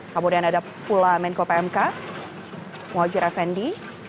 kemudian ada pula menko pmk muhajir effendi